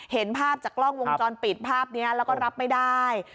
เห็นภาพจากกล้องวงจรปิดภาพนี้แล้วก็รับไม่ได้